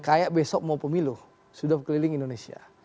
kayak besok mau pemilu sudah keliling indonesia